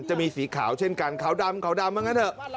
จะมีสีขาวเช่นกันขาวดำขาวดำอะไรแบบนั้นแหละ